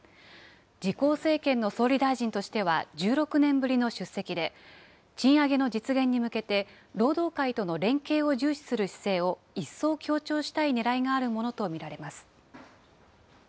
自公政権の総理大臣としては１６年ぶりの出席で、賃上げの実現に向けて労働界との連携を重視する姿勢をいっそう強調したいねらいがあるものと見られます。